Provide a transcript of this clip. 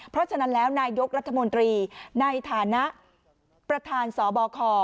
เพราะฉะนั้นแล้วนายกรัฐมนตรีในฐานะประธานสบค